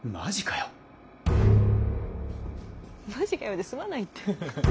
「マジかよ」で済まないって。